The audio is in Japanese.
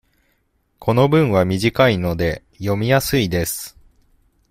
この文は短いので、読みやすいです。